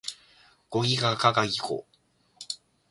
ゴギガガガギゴ